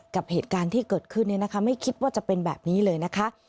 กับเหตุการณ์ที่เกิดขึ้นเนี่ยนะคะไม่คิดว่าจะเป็นแบบนี้เลยนะคะ